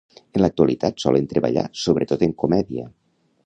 En l'actualitat solen treballar sobretot en comèdia.